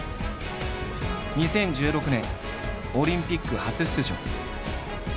２０１６年オリンピック初出場。